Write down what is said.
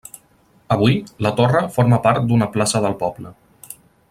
Avui, la torre forma part d'una plaça del poble.